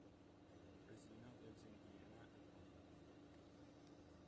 Brezina lives in Vienna and London.